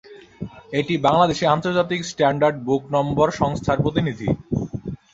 এটি বাংলাদেশে আন্তর্জাতিক স্ট্যান্ডার্ড বুক নম্বর সংস্থার প্রতিনিধি।